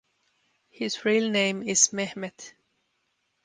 His real name is Mehmet.